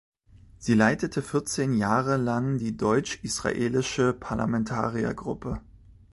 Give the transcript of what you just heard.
Sie leitete vierzehn Jahre lang die Deutsch-israelische Parlamentariergruppe.